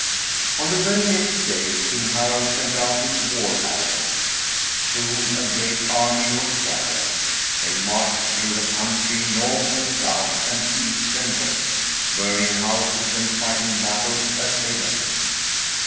On the very next day King Harald sent out his war arrows. Soon a great army was gathered. They marched through the country north and south and east and west, burning houses and fighting battles as they went.